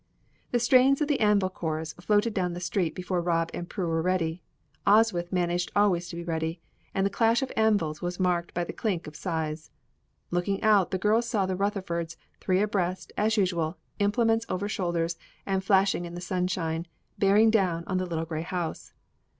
The strains of the anvil chorus floated down the street before Rob and Prue were ready Oswyth managed always to be ready and the clash of anvils was marked by the click of scythes. Looking out, the girls saw the Rutherfords, three abreast, as usual, implements over shoulders and flashing in the sunshine, bearing down on the little grey house.